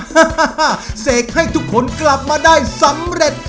เสกให้ทุกคนกลับมาได้สำเร็จ